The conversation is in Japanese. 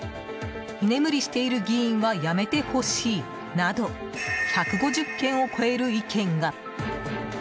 居眠りしている議員は辞めてほしいなど１５０件を超える意見が。